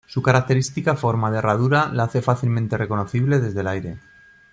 Su característica forma de herradura la hace fácilmente reconocible desde el aire.